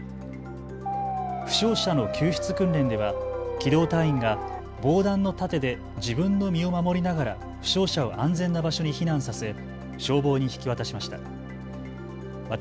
負傷者の救出訓練では機動隊員が防弾の盾で自分の身を守りながら負傷者を安全な場所に避難させ消防に引き渡しました。